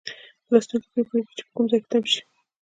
لوستونکی پرې پوهیږي چې په کوم ځای کې تم شي.